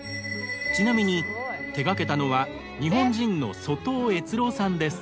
ちなみに手がけたのは日本人の外尾悦郎さんです。